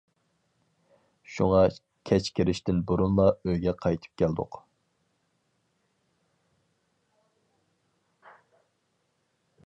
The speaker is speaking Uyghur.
شۇڭا كەچ كىرىشتىن بۇرۇنلا ئۆيگە قايتىپ كەلدۇق.